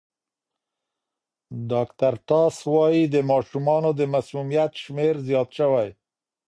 ډاکټر ټاس وايي د ماشومانو د مسمومیت شمېر زیات شوی.